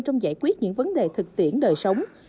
trong giải quyết những vấn đề thực tiễn đời sống